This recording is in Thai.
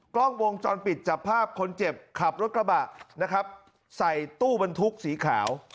กล้องวงจรปิดจับภาพคนเจ็บขับรถกระบะนะครับใส่ตู้บรรทุกสีขาว